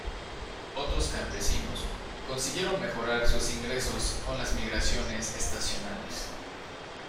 Otros campesinos consiguieron mejorar sus ingresos con las migraciones estacionales.